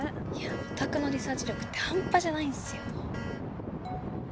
オタクのリサーチ力って半端じゃないんすよ。